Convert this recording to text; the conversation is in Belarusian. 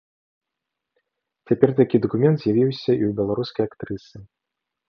Цяпер такі дакумент з'явіўся і ў беларускай актрысы.